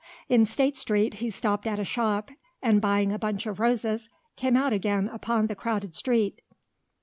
In State Street he stopped at a shop and buying a bunch of roses came out again upon the crowded street.